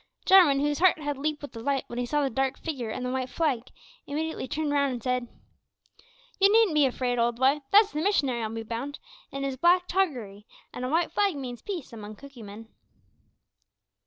Jarwin, whose heart had leaped with delight when he saw the dark figure and the white flag, immediately turned round and said "You needn't be afraid, old boy; that's the missionary, I'll be bound, in his black toggery, an' a white flag means `peace' among Cookee men."